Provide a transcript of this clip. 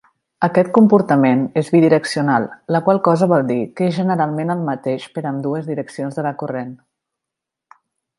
Aquest comportament és bidireccional, la qual cosa vol dir que és generalment el mateix per a ambdues direccions de la corrent.